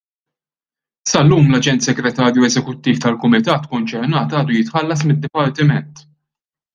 Sal-lum l-aġent segretarju eżekuttiv tal-kumitat konċernat għadu jitħallas mid-dipartiment.